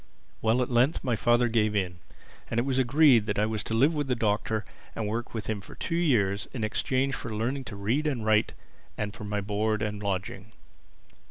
Well, at length my father gave in; and it was agreed that I was to live with the Doctor and work for him for two years in exchange for learning to read and write and for my board and lodging.